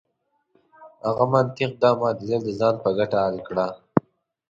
هغه منطق دا معادله د ځان په ګټه حل کړه.